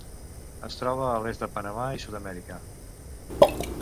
Es troba a l'est de Panamà i Sud-amèrica.